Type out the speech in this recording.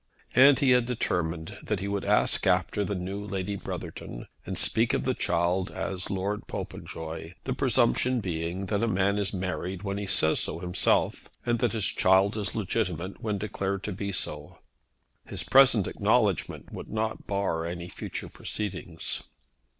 And he had determined that he would ask after the new Lady Brotherton, and speak of the child as Lord Popenjoy, the presumption being that a man is married when he says so himself, and that his child is legitimate when declared to be so. His present acknowledgment would not bar any future proceedings.